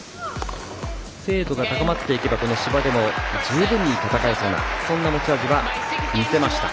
精度が高まっていけば芝では十分に戦えそうなそんな持ち味は見せました。